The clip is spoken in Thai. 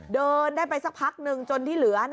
เดินได้ไปสักพักนึงจนที่เหลือ